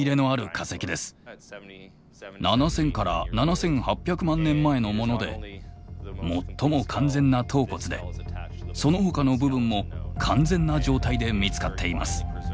７，０００７，８００万年前のもので最も完全な頭骨でそのほかの部分も完全な状態で見つかっています。